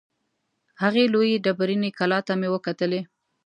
هغې لویې ډبریني کلا ته مې وکتلې.